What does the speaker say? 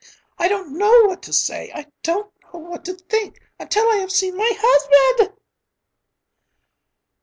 I don't know what to say, I don't know what to think, until I have seen my husband."